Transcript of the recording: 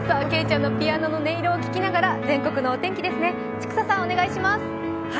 けいちゃんのピアノの音色を聞きながら全国のお天気ですね、千種さんお願いします。